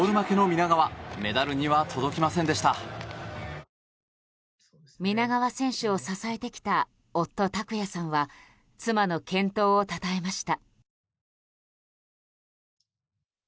皆川選手を支えてきた夫・拓也さんは妻の健闘を称えました。